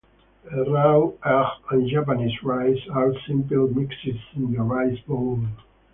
A raw egg and Japanese rice are simply mixed in the rice bowl.